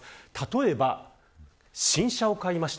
例えば、新車を買いました。